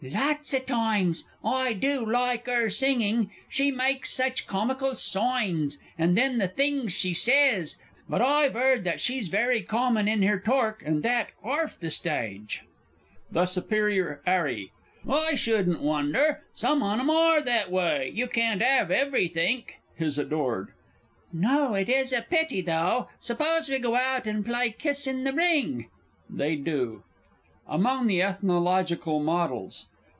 Lots o' toimes. I do like 'er singing. She mykes sech comical soigns and then the things she sez! But I've 'eard she's very common in her tork, and that orf the styge. THE S. A. I shouldn't wonder. Some on 'em are that way. You can't 'ave everythink! HIS ADORED. No, it is a pity, though. 'Spose we go out, and pl'y Kiss in the Ring? [They do. AMONG THE ETHNOLOGICAL MODELS.